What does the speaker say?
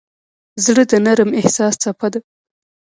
زړه د نرم احساس څپه ده.